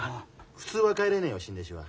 普通は帰れねえよ新弟子は。